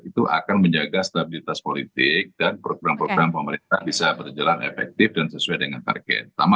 itu akan menjaga stabilitas politik dan program program pemerintah bisa berjalan efektif dan sesuai dengan target